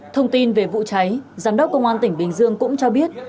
thông tin về vụ cháy giám đốc công an tỉnh bình dương cũng cho biết